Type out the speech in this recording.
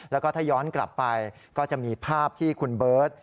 แล้วก็ถ้าย้อนกลับไปก็จะมีภาพที่คุณเบิร์ต